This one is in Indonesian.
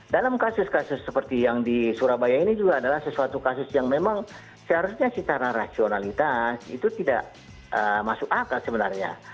dalam kasus kasus seperti yang di surabaya ini juga adalah sesuatu kasus yang memang seharusnya secara rasionalitas itu tidak masuk akal sebenarnya